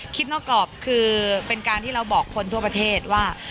นอกกรอบคือเป็นการที่เราบอกคนทั่วประเทศว่า